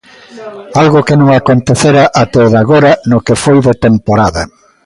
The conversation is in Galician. Algo que non acontecera até o de agora no que foi de temporada.